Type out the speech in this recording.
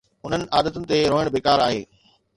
انهن عادتن تي روئڻ بيڪار آهي.